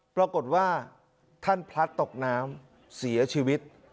ปรากฏว่าท่านพลัดตกน้ำเสียชีวิต